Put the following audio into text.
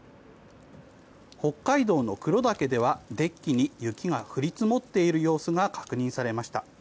北海道の黒岳では、デッキに雪が降り積もっている様子が確認されました。